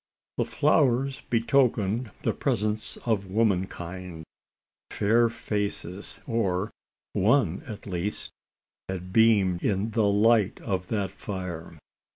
The flowers betokened the presence of womankind. Fair faces or one at least had beamed in the light of that fire.